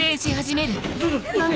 何？